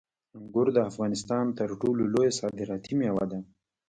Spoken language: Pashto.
انګور د افغانستان تر ټولو لویه صادراتي میوه ده.